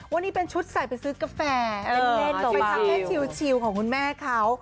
วันนี้เป็นชุดใส่ไปซื้อกาแฟเป็นเล่นเป็นทางแค่ชิวของคุณแม่เขา